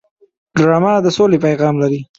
ډرامه د سولې پیغام لري